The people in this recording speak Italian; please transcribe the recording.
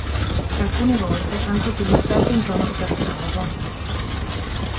Alcune volte anche utilizzato in tono scherzoso.